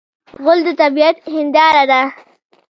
غول د طبعیت هنداره ده.